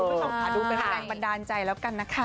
ดูไหนเป็นหายบันดาลใจแล้วกันนะค่ะ